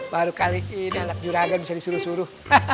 baru kali ini anak juragan bisa disuruh suruh